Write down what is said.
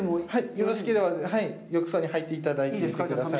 よろしければ、浴槽に入ってみてください。